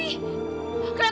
ibu ini kenapa sih